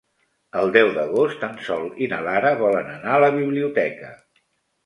El deu d'agost en Sol i na Lara volen anar a la biblioteca.